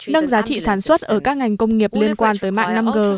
nâng giá trị sản xuất ở các ngành công nghiệp liên quan tới mạng năm g